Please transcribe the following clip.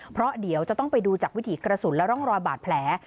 เพราะเดี๋ยวจะต้องไปดูจากวิถีกระสุนและร่องรอยบาดแผล